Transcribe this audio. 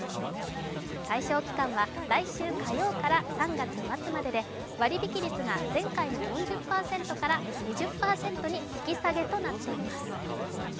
対象期間は来週火曜から３月末までで割引率が前回の４０％から２０％に引き下げとなっています。